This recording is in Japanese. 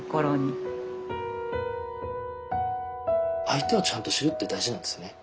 相手をちゃんと知るって大事なんですね。